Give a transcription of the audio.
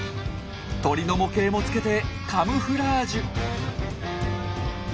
鳥の模型もつけてカムフラージュ。